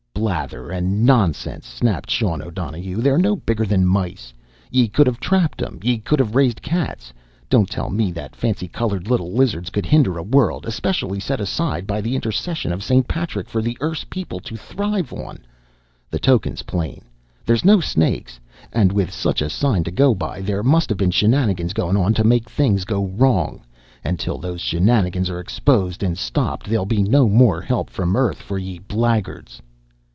"Blather and nonsense!" snapped Sean O'Donohue. "They're no bigger than mice! Ye could've trapped 'em! Ye could've raised cats! Don't tell me that fancy colored little lizards could hinder a world especially set aside by the intercession of St. Patrick for the Erse people to thrive on! The token's plain! There's no snakes! And with such a sign to go by, there must've been shenanigans goin' on to make things go wrong! And till those shenanigans are exposed an' stopped there'll be no more help from Earth for ye blaggards!"